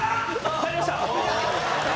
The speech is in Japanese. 入りました。